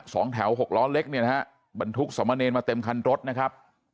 สองแถวหกล้อเล็กเนี่ยนะฮะบรรทุกสมเนรมาเต็มคันรถนะครับ